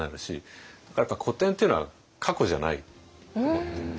だから古典っていうのは過去じゃないと思ってて。